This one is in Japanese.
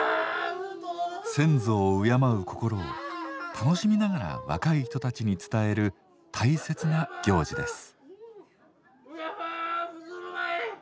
先祖を敬う心を楽しみながら若い人たちに伝える大切な行事です。